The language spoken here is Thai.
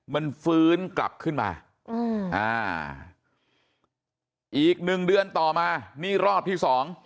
มันฟื้นกลับขึ้นมาอีก๑เดือนต่อมานี่รอบที่๒